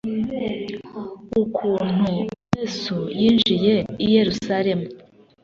Ukuntu Yesu yinjiye i Yerusalemu